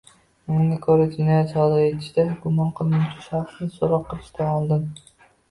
unga ko‘ra, jinoyat sodir etishda gumon qilinuvchi shaxsni so‘roq qilishdan oldin